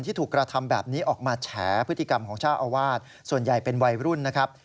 ที่ถูกกระทำแบบนี้ออกมาแฉพฤติกรรมของเจ้าอาวาสส่วนใหญ่เป็นวัยรุ่นนะครับ